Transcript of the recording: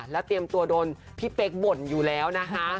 แล้วเตรียมตัวโดนพี่เป๊กบ่นอยู่แล้วนะคะ